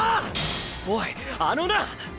おいあのな！！